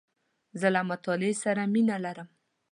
زه له مطالعې سره مینه لرم .